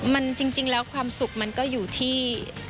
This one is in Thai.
มันจริงแล้วความสุขมันก็อยู่ที่